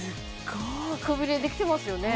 くびれできてますよね？